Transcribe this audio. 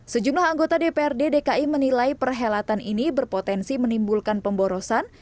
sejumlah anggota dprd dki menilai perhelatan ini berpotensi menimbulkan pemborosan